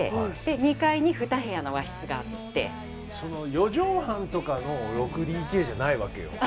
４畳半とかの６ＤＫじゃないわけよ。